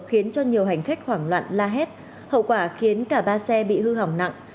khiến cho nhiều hành khách hoảng loạn la hét hậu quả khiến cả ba xe bị hư hỏng nặng